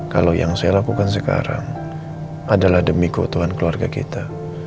kalau yang saya lakukan sekarang adalah demi keutuhan keluarga kita